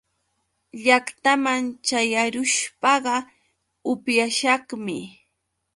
Llaqtaman ćhayarushpaqa upyashaqmi.